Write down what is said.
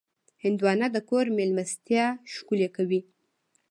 هندوانه د کور مېلمستیا ښکلې کوي.